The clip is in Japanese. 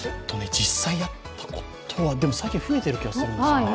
実際やったことは、でも最近増えている気がしますよね。